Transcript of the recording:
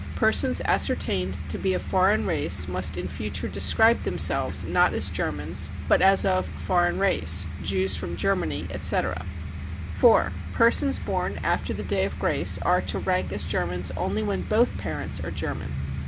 Persons ascertained to be of foreign race must in 282 BROWN BOOK OF THE HITLER TERROR future describe themselves not as Germans but as of foreign race (Jews from Germany, etc.). <s 4. Persons born after the day of grace are to rank as Germans only when both parents are German.